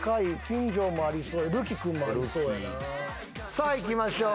さあいきましょう。